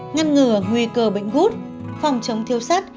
ngăn ngừa nguy cơ bệnh gút phòng chống thiêu sát